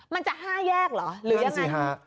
มันจะ๕แยกเหรอ